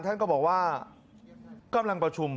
ท่านก็บอกว่ากำลังประชุม